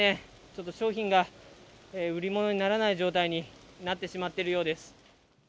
ちょっと商品が売り物にならない状態になってしまっているようです。